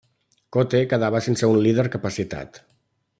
Kotte quedava sense un líder capacitat.